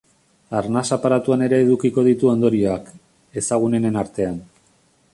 Arnas aparatuan ere edukiko ditu ondorioak, ezagunenen artean.